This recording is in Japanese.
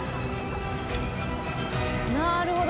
なるほど。